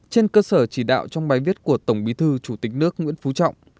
trên cơ sở chỉ đạo trong bài viết của tổng bí thư chủ tịch nước nguyễn phú trọng